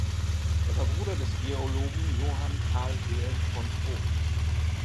Er war Bruder des Geologen Johann Karl Wilhelm von Voigt.